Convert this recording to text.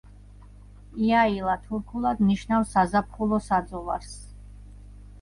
იაილა თურქულად ნიშნავს საზაფხულო საძოვარს.